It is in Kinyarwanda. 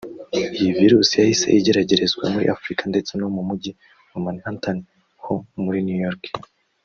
Iyi virus yahise igeragerezwa muri Afurika ndetse no mu Mujyi wa Manhattan ho muri New York